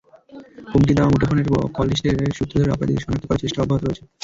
হুমকি দেওয়া মুঠোফোনের কললিস্টের সূত্র ধরে অপরাধীদের শনাক্ত করার চেষ্টা অব্যাহত রয়েছে।